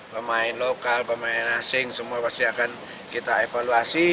pemain lokal pemain asing semua pasti akan kita evaluasi